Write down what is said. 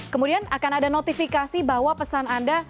kemudian akan ada notifikasi bahwa pesan anda